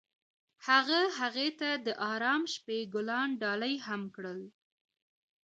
هغه هغې ته د آرام شپه ګلان ډالۍ هم کړل.